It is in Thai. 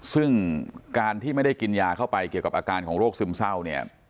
ซึ่งการที่ไม่ได้กินยาเข้าไปเกี่ยวกับอาการของโรคซึมเศร้าเนี่ย